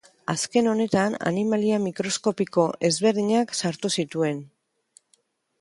Azken honetan animalia mikroskopiko ezberdinak sartu zituen.